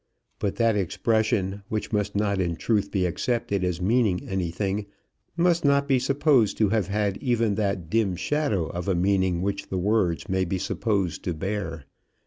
But that expression, which must not in truth be accepted as meaning anything, must not be supposed to have had even that dim shadow of a meaning which the words may be supposed to bear.